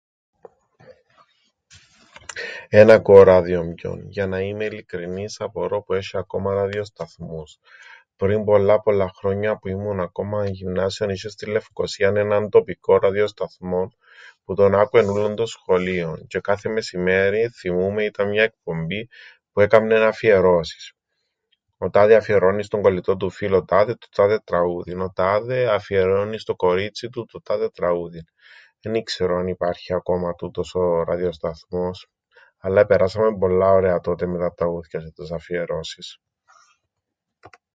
Εν ακούω ράδιον πιον. Για να είμαι ειλικρινής, απορώ που έσ̆ει ακόμα ραδιοσταθμούς. Πριν πολλά πολλά χρόνια, που ήμουν ακόμα γυμνάσιον, είσ̆εν στην Λευκωσίαν έναν τοπικόν ραδιοσταθμόν που τον άκουεν ούλλον το σχολείον, τζ̆αι κάθε μεσημέριν θθυμούμαι ήταν μια εκπομπή που έκαμνεν αφιερώσεις. Ο τάδε αφιερώννει στον κολλητόν του φίλον τάδε το τάδε τραγούδιν. Ο τάδε αφιερώννει στο κορίτσιν του το τάδε τραούδιν. Εν ι-ξέρω αν υπάρχει ακόμα τούτος ο ραδιοσταθμός, αλλά επεράσαμεν πολλά ωραία τότε με τα τραούθκια τζ̆αι τες αφιερώσεις.